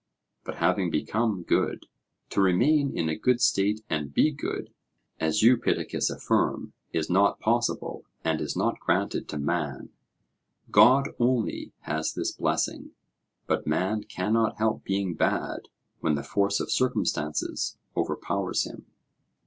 But having become good, to remain in a good state and be good, as you, Pittacus, affirm, is not possible, and is not granted to man; God only has this blessing; 'but man cannot help being bad when the force of circumstances overpowers him.'